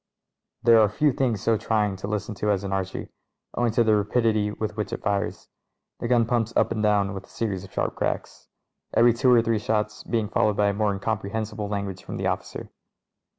There are few things so ARCHIE AND OTHERS 289 trying to listen to as an Archie, owing to the rapidity with which it fires ; the gun pumps up and down with a series of sharp cracks, every two or three shots be ing followed by more incomprehensible language from the officer.